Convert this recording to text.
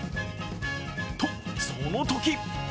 と、そのとき！